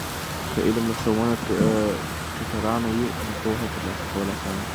که علم له ښوونه ټیټرانو وي، نو پوهه ترلاسه کول آسانه دی.